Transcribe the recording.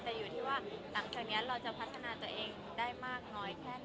แต่อยู่ที่ว่าหลังจากนี้เราจะพัฒนาตัวเองได้มากน้อยแค่ไหน